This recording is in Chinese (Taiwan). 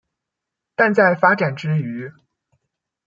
但在發展之餘